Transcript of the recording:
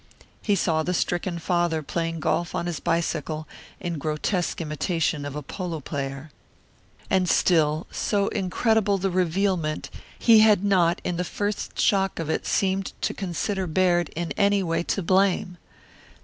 He saw the stricken father playing golf on his bicycle in grotesque imitation of a polo player. And still, so incredible the revealment, he had not in the first shock of it seemed to consider Baird in any way to blame.